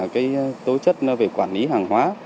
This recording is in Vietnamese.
cái tối chất về quản lý hàng hóa